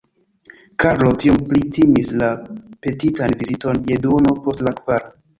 Karlo tiom pli timis la petitan viziton je duono post la kvara.